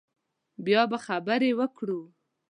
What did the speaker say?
بیا به خبرې وکړو